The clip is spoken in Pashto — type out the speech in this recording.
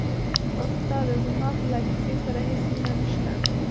استاده زما خو له کیسې سره هېڅ مینه نشته.